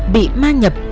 bị ma nhập